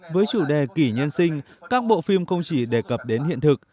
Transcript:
với chủ đề kỷ nhân sinh các bộ phim không chỉ đề cập đến hiện thực